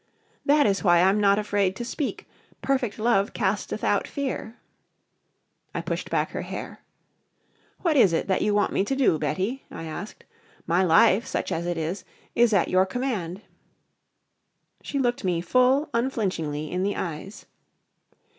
"That is why I'm not afraid to speak. Perfect love casteth out fear " I pushed back her hair. "What is it that you want me to do, Betty?" I asked. "My life, such as it is, is at your command." She looked me full, unflinchingly in the eyes.